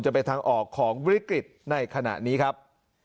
จะเป็นทางออกของวิกฤตในขณะนี้ครับ